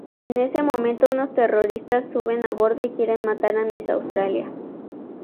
En ese momento, unos terroristas suben a bordo y quieren matar a Miss Australia.